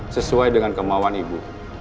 sesuai dengan kemauan ibu